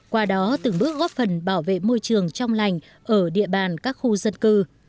qua đó từng bước góp phần bảo vệ môi trường trong lành ở địa bàn các khu dân cư